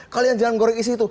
kalian jangan goreng isi itu